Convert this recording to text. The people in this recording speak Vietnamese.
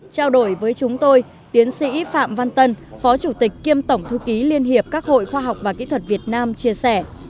trao đổi với chúng tôi tiến sĩ phạm văn tân phó chủ tịch kiêm tổng thư ký liên hiệp các hội khoa học và kỹ thuật việt nam chia sẻ